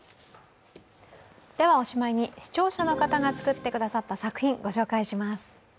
おしまいに、視聴者の方が作ってくださった作品御紹介します。